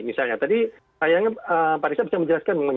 misalnya tadi sayangnya pak risa bisa menjelaskan